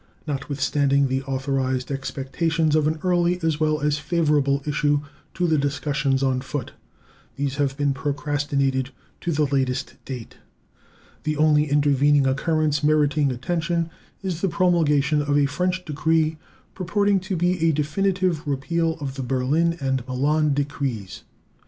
Notwithstanding the authorized expectations of an early as well as favorable issue to the discussions on foot, these have been procrastinated to the latest date. The only intervening occurrence meriting attention is the promulgation of a French decree purporting to be a definitive repeal of the Berlin and Milan decrees.